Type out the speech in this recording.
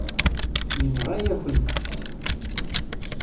Yenɣa-yakent-tt.